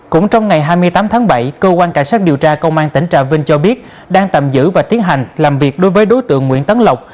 cũng trong ngày hai mươi tám tháng bảy cơ quan cảnh sát điều tra công an tỉnh trà vinh cho biết đang tạm giữ và tiến hành làm việc đối với đối tượng nguyễn tấn lộc